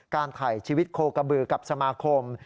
ถ่ายชีวิตโคกระบือกับสมาคม